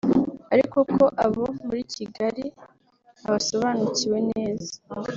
ariko ko abo muri Kigali abasobanukiwe neza